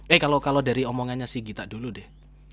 eh kalau dari omongannya si gita dulu deh